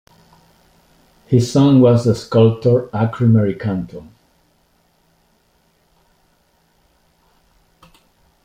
His son was the sculptor Ukri Merikanto.